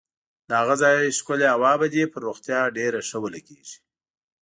د هغه ځای ښکلې هوا به دې پر روغتیا ډېره ښه ولګېږي.